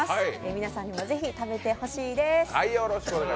皆さんにもぜひ食べてほしいです。